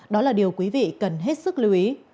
đó là điều quý vị cần hết sức lưu ý